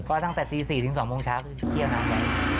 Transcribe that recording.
ก็ตั้งแต่๔๐๐๒๐๐ช้าคือเที่ยวน้ำน้ำ